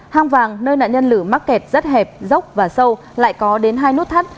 hang vàng nơi nạn nhân lử mắc kẹt rất hẹp dốc và sâu lại có đến hai nút thắt